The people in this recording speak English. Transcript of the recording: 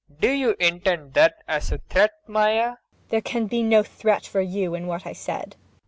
] Do you intend that as a threat, Maia? MAIA. There can be no threat for you in what I said.